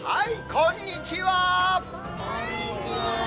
こんにちは。